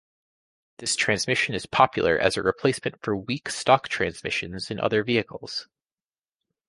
This transmission is popular as a replacement for weak stock transmissions in other vehicles.